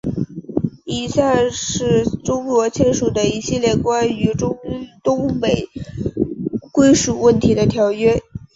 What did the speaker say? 以下是中国签署的一系列关于东北归属问题的条约。